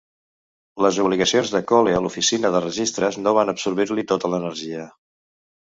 Les obligacions de Cole a l'oficina de registres no van absorbir-li tota l'energia.